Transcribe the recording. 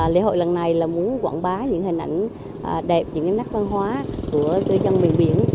lễ hội lần này là muốn quảng bá những hình ảnh đẹp những nét văn hóa của dân miền biển